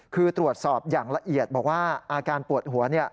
คือตรวจสอบอย่างละเอียดบอกว่าอาการปวดหัว